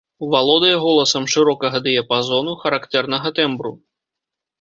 Валодае голасам шырокага дыяпазону, характэрнага тэмбру.